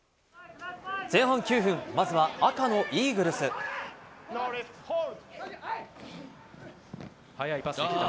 前半９分、まずは赤のイーグ速いパス。